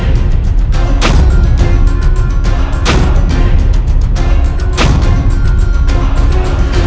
siapa yang melakukan ini padamu